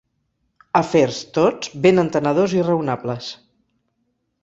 Afers, tots, ben entenedors i raonables.